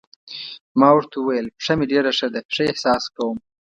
ما ورته وویل: پښه مې ډېره ښه ده، ښه احساس کوم.